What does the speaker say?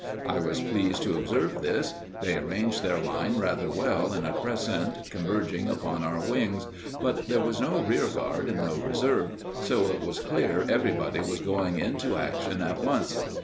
I was pleased to observe this. They arranged their line rather well, in a crescent converging upon our wings; but there was no rearguard and no reserve, so it was clear everybody was going into action at once.